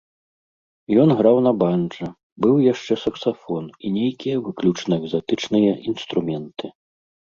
Ён граў на банджа, быў яшчэ саксафон і нейкія выключна экзатычныя інструменты.